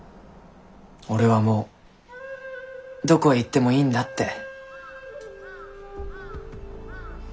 俺はもうどこへ行ってもいいんだって。